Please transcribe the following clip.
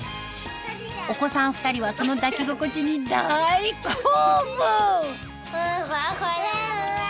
お子さん２人はその抱き心地に大興奮！